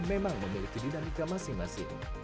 memang memiliki dinamika masing masing